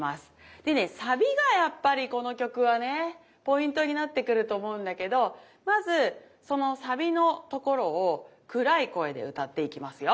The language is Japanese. でねサビがやっぱりこの曲はねポイントになってくると思うんだけどまずそのサビのところを暗い声で歌っていきますよ。